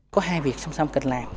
có hai việc song song cần làm